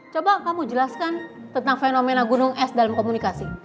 coba kamu jelaskan tentang fenomena gunung es dalam komunikasi